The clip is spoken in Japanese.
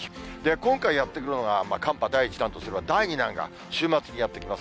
今回、やって来るのが寒波第１弾とすれば、第２弾が週末にやって来ます。